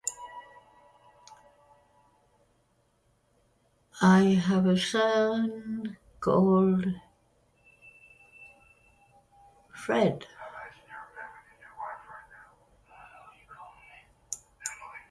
This second son had been granted the Muskerry area as appanage.